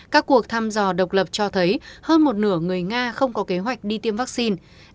các cuộc thăm dò độc lập cho thấy hơn một nửa người nga không có kế hoạch đi tiêm vaccine